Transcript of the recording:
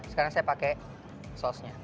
sekarang saya pakai sausnya